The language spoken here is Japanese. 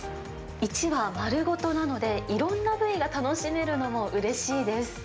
一羽丸ごとなので、いろんな部位が楽しめるのもうれしいです。